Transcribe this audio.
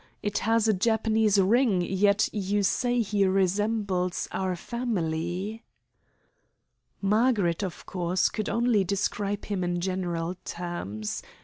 It has a Japanese ring, yet you say he resembles our family?" Margaret, of course, could only describe him in general terms.